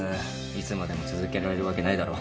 いつまでも続けられるわけないだろ。